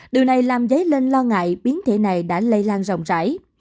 điều này làm dấy lên lo ngại biến thể này đã lây lan rộng rãi